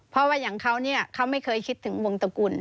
เพราะว่าอย่างเขาเนี่ยเขาไม่เคยคิดถึงวงตระกุล